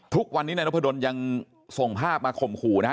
ทุกวันนี้ในน้องพะดนท์ยังส่งภาพมาข่มขู่นะฮะ